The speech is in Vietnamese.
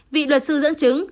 vị luật sư dẫn chứng